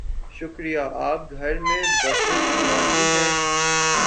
شکریہ. آپ گھر میں بسنت مناتی ہیں؟